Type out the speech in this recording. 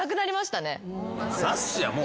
さっしーはもう。